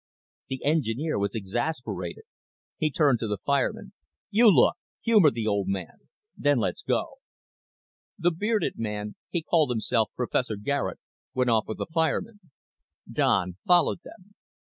The engineer was exasperated. He turned to the fireman. "You look. Humor the old man. Then let's go." The bearded man he called himself Professor Garet went off with the fireman. Don followed them.